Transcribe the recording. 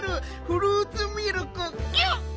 フルーツミルクキュッ。